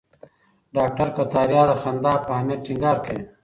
ډاکټر کتاریا د خندا په اهمیت ټینګار کوي.